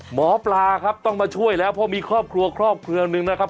หมอปลาครับต้องมาช่วยแล้วเพราะมีครอบครัวครอบครัวหนึ่งนะครับ